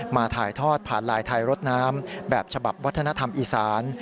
ถ่ายทอดผ่านลายไทยรถน้ำแบบฉบับวัฒนธรรมอีสาน